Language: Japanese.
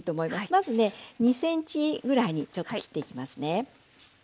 まずね２センチぐらいにちょっと切っていきますね。